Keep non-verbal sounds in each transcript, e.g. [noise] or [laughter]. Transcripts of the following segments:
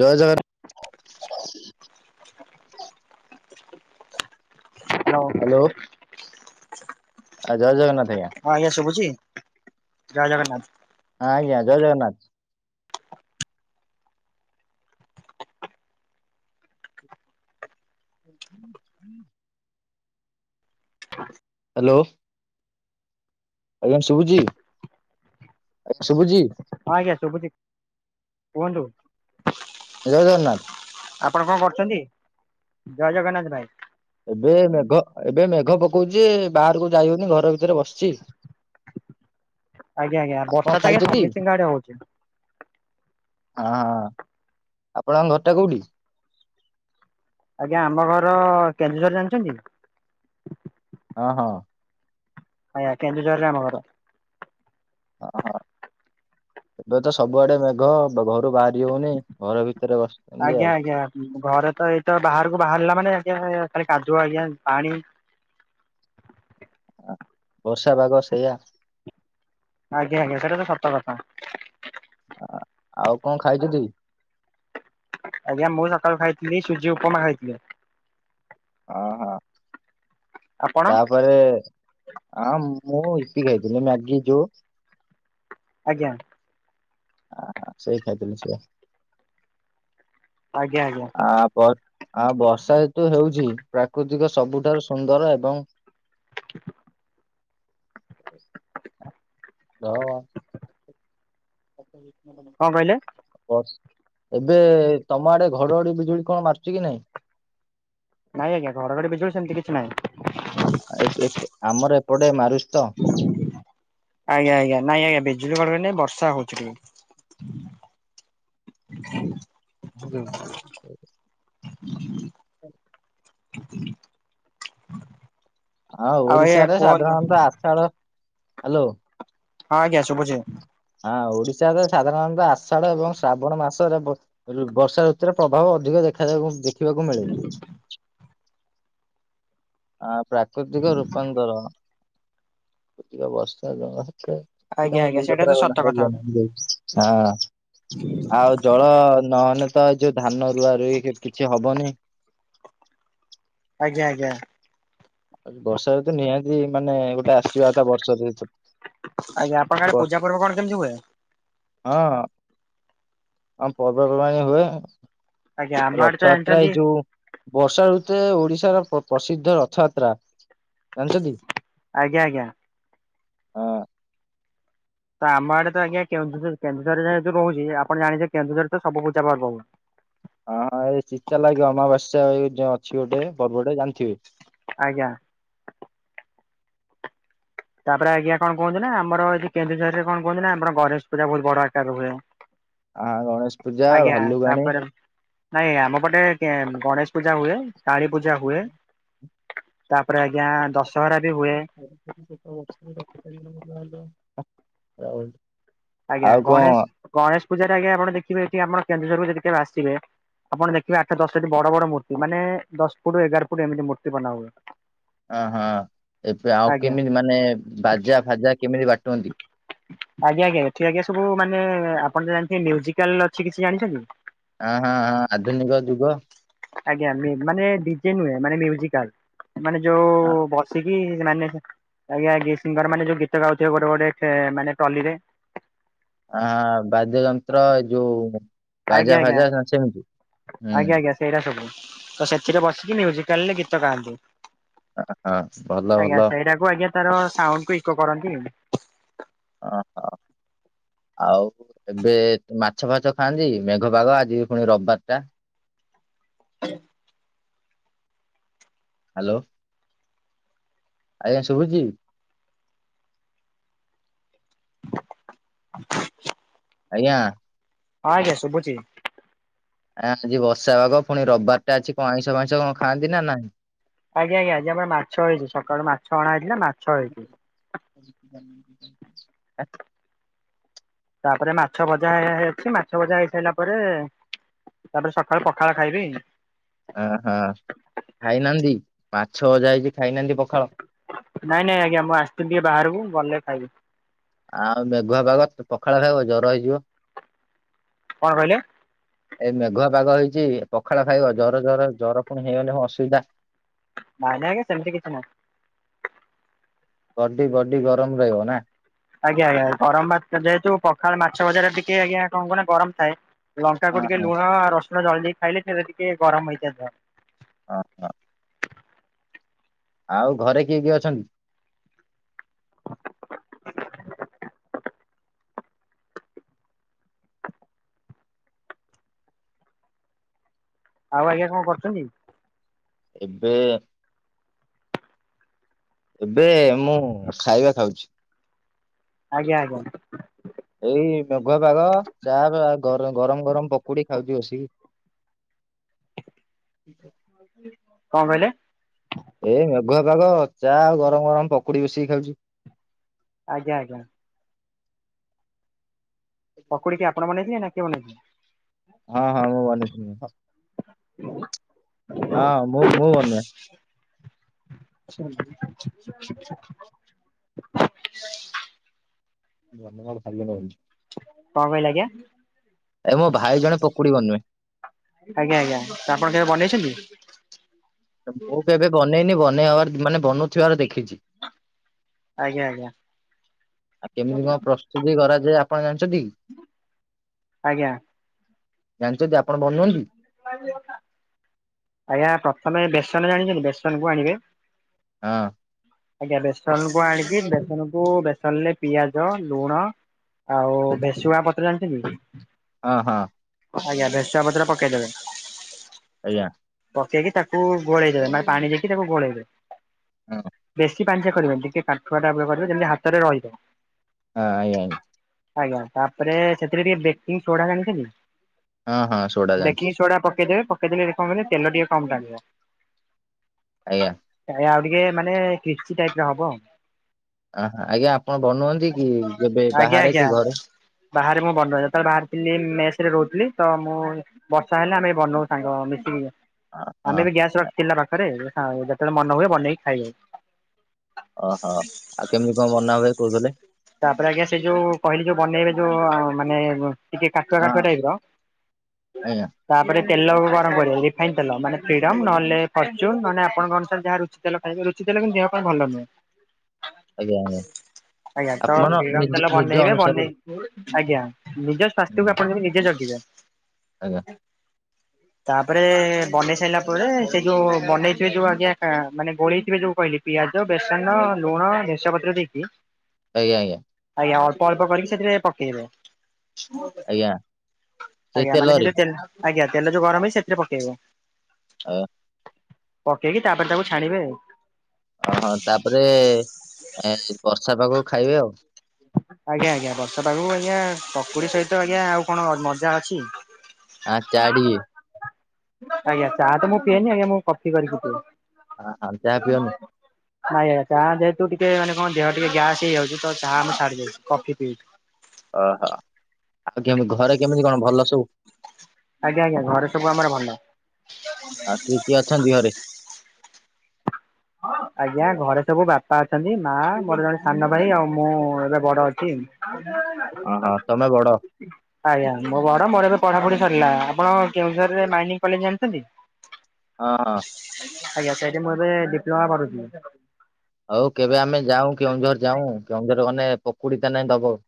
ଜୟ Jagan [unintelligible] [unintelligible] hello ଆଉ ଜୟ ଜଗନ୍ନାଥ ଭାଇ। ହଁ ଆଜ୍ଞା ଶୁଭୁଛି, ଜୟ ଜଗନ୍ନାଥ। ହଁ ଆଜ୍ଞା, ଜୟ ଜଗନ୍ନାଥ। [unintelligible] ହାଲୋ ଆଜ୍ଞା ଶୁଭୁଛି, ଆଜ୍ଞା ଶୁଭୁଛି? ହଁ ଆଜ୍ଞା ଶୁଭୁଛି କୁହନ୍ତୁ? ଜୟ ଜଗନ୍ନାଥ। ଆପଣ କଣ କରୁଛନ୍ତି? ଜୟ ଜଗନ୍ନାଥ ଭାଇ। ଏବେ ମେଘ ଏବେ ମେଘ ପକଉଛି, ଯେ ବାହାରକୁ ଯାଇହଉନି। ଘର ଭିତରେ ବସିଛି। ଆଜ୍ଞା ଆଜ୍ଞା, ଆପଣ ବର୍ଷା ତ ଆଜ୍ଞା ଖାଇଛନ୍ତି ସମସ୍ତିଙ୍କ ଆଡେ ହଉଛି। ହଁ ହଁ, ଆପଣଙ୍କ ଘରଟା କୋଉଠି? ଆଜ୍ଞା, ଆମ ଘର କେନ୍ଦୁଝର ଜାଣିଛନ୍ତି? ହଁ ହଁ ଆଜ୍ଞା କେନ୍ଦୁଝରରେ ଆମ ଘର। [unintelligible] ଏବେ ତ ସବୁଆଡେ ମେଘ, ଘରୁ ବାହାରିହଉନି। ଘର ଭିତରେ ବସି ଆଜ୍ଞା ଆଜ୍ଞା, ଘରେ ତ ଏଇତ ବାହାରକୁ ବାହାରିଲା ମାନେ, ଆଜ୍ଞା ଖାଲି କାଦୁଅ ଆଜ୍ଞା ପାଣି ବର୍ଷା ପାଗ ସେଇଆ। ଆଜ୍ଞା ଆଜ୍ଞା ସେଟାତ ସତକଥା। ଆଉ କଣ ଖାଇଛୁ ଦି ଆଜ୍ଞା, ମୁଁ ସକାଳୁ ଖାଇଥିଲି ସୁଜି ଉପମା ଖାଇଥିଲି। ହଁ ହଁ, ଆପଣ ତାପରେ ହଁ ମୁଁ ଇପି ଖାଇଥିଲି ମ୍ୟାଗି ଯୋଉ ଆଜ୍ଞା। ହ ସେଇ [unintelligible] ଆଜ୍ଞା ଆଜ୍ଞା। ଆ ବ ଆ ବର୍ଷା ହେତୁ ହେଉଛି ପ୍ରାକୃତିକ ସବୁଠାରୁ ସୁନ୍ଦର ଏବଂ [unintelligible] [unintelligible] କଣ କହିଲେ? [unintelligible] ବସ୍, ଏବେ ତମ ଆଡ଼େ ଘଡ଼ଘଡ଼ି ବିଜୁଳି କଣ ମାରୁଛି କି ନାଇଁ? ନାଇଁ ଆଜ୍ଞା ଘଡ଼ଘଡ଼ି ବିଜୁଳି ସେମିତି କିଛି ନାହିଁ। ଆମର ଏପଟେ ମାରୁଛି ତ ଆଜ୍ଞା ଆଜ୍ଞା, ନାଇଁ ଆଜ୍ଞା ବିଜୁଳି ଘଡ଼ଘଡ଼ି ନାଇଁ ବର୍ଷା ହଉଛି। ହାଲୋ। ହା [inaudible] ହଁ ଆଉ ଆଜ୍ଞା ଓଡ଼ିଶାରେ କୁହନ୍ତୁ ସାଧାରଣତଃ ଆଷାଢ ହାଲୋ। ହଁ ଆଜ୍ଞା ଶୁଭୁଛି। ହଁ ଓଡିଶାାରେ ସାଧାରଣତଃ ଆଷାଢ ଏବଂ ଶ୍ରାବଣ ମାସରେ ବ ରୁ ବର୍ଷା ଋତୁରେ ପ୍ରଭାବ ଅଧିକ ଦେଖା ଯିବା ଦେଖିବାକୁ ମିଳେ। ଆ ପ୍ରାକୃତିକ ରୂପାନ୍ତର କୃତିକ ବର୍ଷା ଜଳ ଥି ତୁ ଟା ଆଜ୍ଞା ମୋ ଆଜ୍ଞା ମୁଣ୍ଡ ସେଇଟା ତ ଖରାପ କରନା ସତ କଥା [unintelligible] ହଁ ଆଉ ଜଳ ନ ହେଲେ ତ ଏ ଯୋଉ ଧାନ ରୁଆ ରୁଇ କି-କିଛି ହବନି। ଆଜ୍ଞା ଆଜ୍ଞା। ବର୍ଷା ଋତୁ ନିହାତି ମାନେ ଗୋଟେ ଆସିବା ଟା ବର୍ଷା ଦି ଛ ଆଜ୍ଞା ଆପଣଙ୍କ ଆଡ଼େ ପୂଜା ପର୍ବ କଣ କେମତି ହୁଏ? ହଁ। ଆମ ପର୍ବପର୍ବାଣି ହୁଏ। ଆଜ୍ଞା ଆମ ଆଡେ ତ ରଥ ଯାତ୍ରା ଜାଣିଛନ୍ତି ଏଇ ଯୋଉ ବର୍ଷା ଋତୁରେ ଓଡ଼ିଶାର ପ-ପ୍ରସିଦ୍ଧ ରଥଯାତ୍ରା ଜାଣିଚନ୍ତି? ଆଜ୍ଞା ଆଜ୍ଞା। ଅ ତ ଆମ ଆଡେ ତ ଆଜ୍ଞା କେନ୍ଦୁଝର କେନ୍ଦୁଝର ରେ ଯେହେତୁ ରହୁଛି ଆପଣ ଜାଣି ଥିବେ କେନ୍ଦୁଝରେ ତ ସବୁ ପୂଜା ପର୍ବ ହୁଏ। ହଁ ହଁ ଏ ଚିତା ଲାଗି ଅମାବାସ୍ୟା ଏ ଯୋଉଁ ଅଛି ଗୋଟେ ପର୍ବଟେ ଜାଣିଥିବେ? ଆଜ୍ଞା। ତାପରେ ଆଜ୍ଞା କଣ କୁହନ୍ତୁ ନା ଆମର ଏଠି କେନ୍ଦୁଝରରେ କଣ କୁହନ୍ତି ନା ଆମର ଗଣେଶ ପୂଜା ବହୁତ ବଡ଼ ଆକାରରେ ହୁଏ। ଆଉ ଗଣେଶ ପୂଜା ଆଜ୍ଞା ଭାଲୁଗାଣୀ। ତାପରେ ନାଇଁ ଆମ ପଟେ କେ ଗଣେଶ ପୂଜା ହୁଏ, ବର୍ଷା କାଳୀ ଟାଇମରେ ପୂଜା ହୁଏ। ମଜା ତାପରେ ଆଜ୍ଞା ଦଶହରା ବି ହୁଏ। [unintelligible] ରଥ ଟାଣିବେ [unintelligible] ହା ରହିଲୁ ଆଜ୍ଞା ଗଣେଶ ଗଣେଶ ପୂଜାରେ ଆଜ୍ଞା ଆପଣ ଦେଖିବେ ଏଠି ଆମର କେନ୍ଦୁଝରକୁ ଯଦି କେବେ ଆସିବେ ଆପଣ ଦେଖିବେ ଆଠଟା ଦଶଟି ବଡ଼ ବଡ଼ ମୂର୍ତ୍ତି ମାନେ ଦଶ ଫୁଟ୍ ଏଗାର ଫୁଟ୍ ଏମିତି ମୂର୍ତ୍ତି ବନା ହୁଏ। ଅ ହଁ ଏବେ ଆଉ ଆଜ୍ଞା କେମିତି ମାନେ ବାଜା ଫାଜା କେମିତି ବାଟୁଅନ୍ତି? ଆଜ୍ଞା ଆଜ୍ଞା ଏଠି ଆଜ୍ଞା ସବୁ ମାନେ ଆପଣ ତ ଜାଣିଥିବେ ମ୍ୟୁଜିକାଲ ଅଛି କିଛି ଜାଣିଚନ୍ତି? ହଁ ହଁ ହଁ ଆଧୁନିକ ଯୁଗ। ଆଜ୍ଞା ମି ମାନେ ଡି ଜେ ନୁହେଁ ମାନେ ମ୍ୟୁଜିକାଲ ମାନେ ଆଁ ଯୋଉ ବସି କି ମାନେ ଆଜ୍ଞା କିଏ ସିଙ୍ଗର ମାନେ ଯୋଉ ଗୀତ ଗାଉଥିବେ ଗୋଟେ ଗୋଟେ ଏ ମାନେ ଟଲି ରେ। ହଁ ବାଦ୍ୟ ଯନ୍ତ୍ର ଏ ଯୋଉ ଆଜ୍ଞା ବାଜା ଆଜ୍ଞା ଫାଜା ଯୋଉ ସେମିତି ହୁଁ। ଆଜ୍ଞା ଆଜ୍ଞା ସେଇଟା ସବୁ ତ ସେଥିରେ ବସିକି ମ୍ୟୁଜିକାଲ ରେ ଗୀତ ଗାଆନ୍ତି। ଅ ହଁ ଭଲ ଭଲ। ମୁଁ ଆଜ୍ଞା ତାର ସାଉଣ୍ଡ କୁ ଇକୋ କରନ୍ତି। ଅହୋ। ଆଉ ଏବେ ମାଛ ଫାଛ ଖାଆନ୍ତି ମେଘ ପାଗ ଆଜି ପୁଣି ରବବାର ଟା? ହ ହାଲୋ। ଆଜ୍ଞା ଶୁଭୁଛି? ଆଜ୍ଞା। ହଁ ଆଜ୍ଞା ଶୁବୁଛି। ଆ-ଆଜି ବର୍ଷା ପାଗ ପୁଣି ରବବାର ଟା ଅଛି କଣ ଆଇଁଷ ମାଇଁଷ ଖାଆନ୍ତି ନା ନାହିଁ? ଆଜ୍ଞା ଆଜ୍ଞା ଆଜି ଆମର ମାଛ ହେଇଚି ସକାଳୁ ମାଛ ଅଣା ହେଇଥିଲା ମାଛ ହେଇଚି। ହଁ [unintelligible] ତାପରେ ମାଛ ଭଜା ହେଇଛି ମାଛ ଭଜା ହେଇସାଇଲା ପରେ ତାପରେ ସକାଳୁ ପଖାଳ ଖାଇବି। ଅ ହ ଖାଇନାହାନ୍ତି ମାଛ ଭଜା ହେଇଛି ଖାଇନାହାନ୍ତି ପଖାଳ? ନାଇଁ ନାଇଁ ଆଜ୍ଞା ମୁଁ ଆସିଥିଲି ଟିକେ ବାହାରକୁ ଗଲେ ଖାଇବି। ଆଉ ମେଘୁଆ ପାଗ ତ ପଖାଳ ଖାଇବ ଜ୍ୱର ହେଇଯିବ। କଣ କହିଲେ? ଏଇ ମେଘୁଆ ପାଗ ହେଇଛି ପଖାଳ ଖାଇବ ଜର ଜର ଜର ପୁଣି ହେଇଗନେ ହ ଅସୁବିଧା। ନାଇ ନାଇ ଆଜ୍ଞା ସେମିତି କିଛି ନାହିଁ। ବଡି଼ ବଡି଼ ଗରମ ରହିବ ନା। ଆଜ୍ଞା ଆଜ୍ଞା ଗରମ ଭାତ ଯେହେତୁ ପଖାଳ ମାଛ ଭଜା ଟା ଟିକେ ଆଜ୍ଞା କଣ କହୁନ ଗରମ ଥାଏ। ଲଙ୍କାକୁ ହଁ ଟିକେ ଲୁଣ ରସୁଣ ଦଳି ଦେଇକୀ ଖାଇଲେ ସେଇଟା ଟିକେ ଗରମ ହେଇଥାଏ ଦେହ। ହଁ ହଁ ଆଉ ଘରେ କିଏ କିଏ ଅଛନ୍ତି? ଆଉ ଆଜ୍ଞା କଣ କରୁଛନ୍ତି? ଏବେ ଏବେ ମୁଁ ଖାଇବା ଖାଉଛି। ଆଜ୍ଞା ଆଜ୍ଞା। ଏଇ ମେଘୁଆ ପାଗ ଚା ଗ ଗର ଗରମ ଗରମ ପକୁଡି ଖାଉଛି ବସିକି। [unintelligible] କଣ କହିଲେ? ଏଇ ମେଘୁଆ ପାଗ ଚା ଆଉ ଗରମ ଗରମ ପକୁଡି ବଶିକି ଖାଉଛି। ଆଜ୍ଞା ଆଜ୍ଞା। ପକୁଡି କିଏ ଆପଣ ବନେଇଥିଲେ ନା କିଏ ବନେଇଥିଲେ? ହଁ ହଁ ମୁଁ ବନେଇଥିନି ଥ ହୁଁ ହଁ ମୁଁ ମୁଁ ବନୁଏ। ନୂଆ ନୂଆ [unintelligible] କଣ କହିଲେ? ଆଜ୍ଞା। ଏ ମୋ ଭାଇ ଜଣେ ପକୁଡ଼ି ବନୁଏ। ଆଜ୍ଞା ଆଜ୍ଞା ତ ଆପଣ କେବେ ବନେଇଛନ୍ତି? ମୁଁ କେବେ ବନେଇନି ବନେଇ ହବାର ମାନେ ବନଉଥିବାର ଦେଖିଛି। ଆଜ୍ଞା ଆଜ୍ଞା। ଆଉ କେମିତି କଣ ପ୍ରସ୍ତୁତି କରାଯାଏ ଆପଣ ଜାଣିଛନ୍ତି? ଆଜ୍ଞା। ଜାଣିଛନ୍ତି ଆପଣ ବନାନ୍ତୀ? ଆଜ୍ଞା ପ୍ରଥମେ ବେସନ ଜାଣିଛନ୍ତି? ବେସନ କୁ ଆଣିବେ। ହଁ। ଆଜ୍ଞା ବେସନ କୁ ଆଣିକି ବେସନକୁ ବେସନ ରେ ପିଆଜ ଲୁଣ। ଆଉ ଭେସୁଆ ପତ୍ର ଜାଣିିଛନ୍ତୀ? ହଁ ହଁ। ଆଜ୍ଞା ଭେସୁଆ ପତ୍ର ପକେଇଦେବେ। ଆଜ୍ଞା। ପକେଇକି ତାକୁ ଗୋଳେଇଦେବେ ମାନେ ପାଣି ଦେଇକି ତାକୁ ଗୋଳେଇବେ ହଁ ହଁ ବେଶ ବେଶି ପାଣିଚିଆ କରିବେନି ଟିକେ କାଠୁଆ ଟାଇପର କରିବେ ଯେମିତି ହାତରେ ରହିିବ। ହଁ ଏଇ ଆଣି ଆଜ୍ଞା ତାପରେ ସେଥିରେ ଟିକେ ବେକିଙ୍ଗ ସୋଡା ଜାଣିଛନ୍ତି? ହଁ ହଁ ସୋଡ଼ା ଜାଣିଛି ବେକିଙ୍ଗ ସୋଡା ପକେଇଦେବେ ପ ପକେଇଦେଲେ କଣ କହିଲେ ତେଲ ଟିକେ କମ ଟାଣିବ। ଆଜ୍ଞା। ଟା ଏ ଆଉ ଟିକେ ମାନେ କ୍ରିସପି ଟାଇପ ର ହବ। ଅ ଆଜ୍ଞା ଆପଣ ବନୁନ୍ତି କି କେବେ ଆଜ୍ଞା ବାହାରେ ଆଜ୍ଞା କି ଘରେ ବାହାରେ ମୁଁ ବନ ର ଯେତେବେଳେ ବାହାରିଥିଲି ମେସରେ ରହୁଥିଲି ତ ମୁଁ ବର୍ଷା ହେଲେ ଆମେ ବନଉ ସାଙ୍ଗ ମିଶିକି ହଁ ଆମେ ହଁ ବି ଗ୍ୟାସ ରଖିଥିଲୁ ନା ଖା ପାଖରେ ଯେତେବେଳେ ମନ ହୁଏ ବନେଇକି ଖାଇଦଉ ଓହୋ ଆଉ କେମିତି କଣ ବନା ହୁଏ କହୁଥିଲେ? ତାପରେ ଆଜ୍ଞା ସେ ଯୋଉ କହିଲି ଯୋଉ ବନେଇବେ ଯୋଉ ମାନେ ଟିକେ କାଠୁଆ ହଁ କାଠୁଆ ଟାଇପ ର ଆଜ୍ଞା ତାପରେ ତେଲକୁ ଗରମ କରିବେ ରିଫାଇନ ଖାଇ ତଲ ମାନେ ଫ୍ରିଡ଼ମ୍ ନହେଲେ ଫର୍ଚୁନ୍ ନହେଲେ ନାଇ ଆପଣଙ୍କ ଅନୁସାରେ ଯହା ରୁଚି ତେଲ ଖାଇବେ ରୁଚି ତେଲ କି ଦେହ ପାଇଁ ଭଲ ନୁହେଁ। ଆଜ୍ଞା ଆଜ୍ଞା। ଆଜ୍ଞା ତ ଆପଣ ଫିଡମ ନିଜ ତେଲ ନିଜ ବନେଇବେ ଅନୁସାରେ ବନେଇକି ଆଜ୍ଞା। ନିଜ ସ୍ୱାସ୍ଥ୍ୟକୁ ହୁଁ ଆପଣ ଯଦି ନିଜେ ଜଗିବେ ଆଜ୍ଞା। ତା ପରେ ଏବେ ବନେଇ ସାଈଲା ପରେ ସେ ଯୋଉ ବନେଇଥିବେ ଯୋଉ ଆଜ୍ଞା କା ମାନେ ଗୋଳେଇ ଥିବେ ଯୋଉ କହିଲି ପିଆଜ, ବେସନ, ଲୁଣ, ବେରସୁଙ୍ଗା ପତ୍ର ଦେଇକି ଆଜ୍ଞା ଆଜ୍ଞା। ଆଜ୍ଞା ଅଳ୍ପ ଅଳ୍ପ କରିକି ସେଥିରେ ପକେଇବେ ଆଜ୍ଞା ସେଇ ଆଜ୍ଞା ମାନେ ସେ ତେଲରେ ଯୋଉ ତେଲ ଆଜ୍ଞା ତେଲ ଯୋଉ ଗରମ ହେଇଚି ସେଥିରେ ପକେଇବେ ଅ ପକେଇକି ତାପରେ ତାକୁ ଛାଣିବେ ଆଉ। ଓହୋ ତାପରେ ଏ ବର୍ଷା ପାଗକୁ ଖାଇବେ ଆଉ। ଆଜ୍ଞା ଆଜ୍ଞା ବର୍ଷା ପାଗକୁ ଆଜ୍ଞା ପକୁଡି ସହିତ ଆଜ୍ଞା ଆଉ କଣ ମଜା ଅଛି। ଆ ଚା ଟିକେ ଆଜ୍ଞା ଚା ତ ମୁଁ ପିଏନି ଆଜ୍ଞା ମୁଁ କଫି କରିକି ପିଏ। ଅ ହ ଚା ପିୟନି? ନାଇଁ ଆଜ୍ଞା ଚାହା ଯେହେତୁ ଟିକେ ମାନେ କଣ ଦେହ ଟିକେ ଗ୍ୟାସ୍ ହେଇଯାଉଚି ତ ଚାହା ଆମେ ଛାଡି ଦେଇଚି କଫି ପିଉ ଓହୋ ଆଉ କେମିତି ଘରେ କେମିତି କଣ ଭଲ ସବୁ? ଆଜ୍ଞା ଆଜ୍ଞ ଘରେ ସବୁ ଆମର ଭଲ। ଆଉ କିଏ କିଏ ଅଛନ୍ତି ଘରେ? ଆଜ୍ଞା ଘରେ ସବୁ ବାପା ଅଛନ୍ତି ମା ମୋର ଜଣେ ସାନ ଭାଇ ଆଉ ମୁଁ ଏବେ ବଡ ଅଛି। ଅ ହ ତମେ ବଡ? ଆଜ୍ଞା ମୋ ବଡ ମୋର ଏବେ ପଢାପଢି ସରିଲା ଆପଣ କେଉଁଝର ରେ ମାଇନିଂ କଲେଜ ଜଣିଚନ୍ତି? ହଁ। ଆଜ୍ଞା ସେଇଠି ମୁଁ ଏବେ ଡିପ୍ଲୋମା କରୁଥିଲି। ହଉ କେବେ ଆମେ ଯାଉଁ କେଉଁଝର ଯାଉଁ କେଉଁଝର ଗନେ ପକୁଡି ତାନେ ଦବ।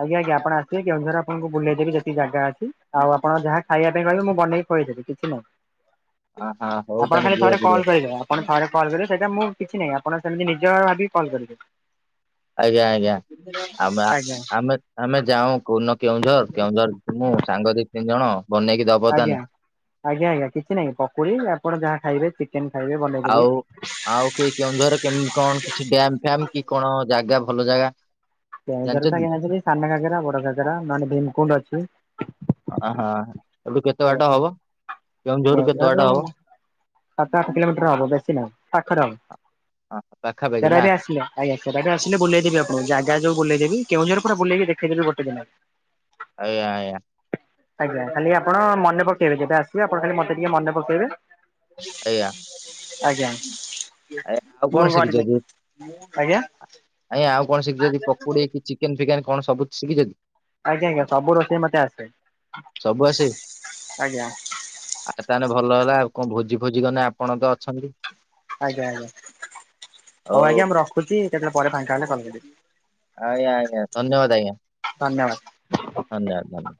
ଆଜ୍ଞା ଆଜ୍ଞା ଆପଣ ଆସିବେ କେଉଁଝର ଆପଣଙ୍କୁ ବୁଲେଇ ଦେବି ଯେତିକି ଜାଗା ଅଛି ଆଉ ଆପଣ ଯାହା ଖଇବା ପାଇଁ କହିବେ ମୁଁ ବନେଇ କହିବେ ଯଦି କିଛି ନ ଅହ ହଉ ଆପଣ ତାହେଲେ ଖାଲି ଥରେ ଯିବାକୁ ପଡିବ କଲ କରିଦେବେ ଆ ଆପଣ ଥରେ କଲ୍ କରିବେ ସେଇଟା ମୁଁ କିଛି ନାହିଁ ଆପଣ ସେମିତି ନିଜର ଭାବିକି କଲ୍ କରିବେ। ଆଜ୍ଞା ଆଜ୍ଞା ଆମେ ଆଜ୍ଞା ଆମେ ଆମେ ଯାଉଁ କୋଉ ଦିନ କେଉଁଝର କେଉଁଝର ମୁଁ ସାଙ୍ଗ ଦି ତିନି ଜଣ ବନେଇକି ଦବ ତାନେ ଆଜ୍ଞା ଆଜ୍ଞା ଆଜ୍ଞା କିଛି ନାଇଁ ପକୁଡି ଆପଣ ଯାହା ଖାଇବେ ଚିକେନ ଖାଇବେ ଆଉ ବନେଇଦେବି। ଆଉ କି କେଉଁଝରେ କେମିତି କଣ କିଛି ଡ୍ୟାମ ଫ୍ୟାମ୍ କି କଣ ଜାଗା ଭଲ ଜାଗା? କେଉଁଝର ତ ଜାଣିଛନ୍ତି? ଆଜ୍ଞା [unintelligible] ସାନ ଘାଗେରା ବଡ ଘାଗେରା ମାନେ ଭୀମକୁଣ୍ଡ ଅଛି। ଆହା ଏଇଠୁ କେତେ ଆଜ୍ଞା ବାଟ ସାର୍ ହବ କେଉଁଝର ରୁ କେତେ ବାଟ କେଉଁଝରରୁ ହବ? ସାତ ଆଠ କିଲୋମିଟ ର ହବ ବେଶୀ ନାଇ ପାଖରେ ହବ ପାଖାପାଖି ସେରା ନା ବି ଆସିଲେ ଆଜ୍ଞାା ଆସିଲେ ବୁଲେଇଦେବି ଆପଣ ଜାଗା ଯଉ ବୁଲଇଦେବି କେଉଁଝର ପୁରା ବଲେଇବି ଦେଖଦେବି ଗୋଟେ ଦିନରେ। ଆଜ୍ଞା ଆଜ୍ଞା। ଆଜ୍ଞା କାଲି ଆପଣ ମନେ ପକେଇବେ ଯେବେ ଆସିବେ ଆପଣ ଖାଲି ମତେ ଟିକେ ମନେ ପକେଇବେ। ଆଜ୍ଞା। ଆଜ୍ଞା ଆଉ ମୁଁ କଣ କରିବି ଶିଖିଛନ୍ତି, ଆଜ୍ଞା ଆଜ୍ଞା ଆଉ କଣ ଶିଖିଚଣ୍ଟି ପକୁଡି କି ଚିକ୍ କେନ୍ ଫିକେନ କଣ ସବୁ ଶିଖିଛନ୍ତି? ଆଜ୍ଞା ଆଜ୍ଞା ସବୁ ରୋଷେଇ ମତେ ଆସେ, ସବୁ ଆସେ ଆଜ୍ଞା। ଆଉ ତାହେନେ ଭଲ ହେଲା ଆଉ କଣ ଭୋଜି ଫୋଜି କନେ ଆପଣ ତ ଅଛନ୍ତି ଆଜ୍ଞା ଆଜ୍ଞା ହଉ ଆଜ୍ଞା ମୁଁ ରଖୁଛି କେତେବେଳେ ପରେ ଫାଙ୍କା ହେଲେ କଲ କରିବି। ଆଜ୍ଞା ଆଜ୍ଞା ଧନ୍ୟବାଦ ଆଜ୍ଞା। ଧନ୍ୟବାଦ। ଧନ୍ୟବାଦ ଧନ୍ୟ